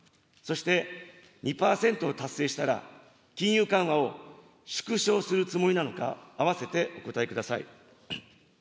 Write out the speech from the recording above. そして、２％を達成したら、金融緩和を縮小するつもりなのか、併せてお答えください。